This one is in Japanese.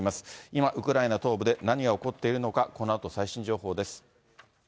今、ウクライナ東部で何が起こっているのか、このあと最新情報です。